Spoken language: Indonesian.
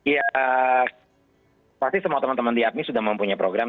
ya pasti semua teman teman di apmi sudah mempunyai program